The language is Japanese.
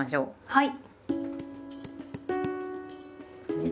はい。